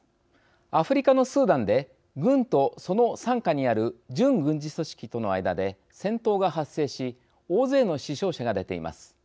アフリカのスーダンで軍とその傘下にある準軍事組織との間で戦闘が発生し大勢の死傷者が出ています。